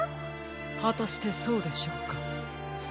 はたしてそうでしょうか？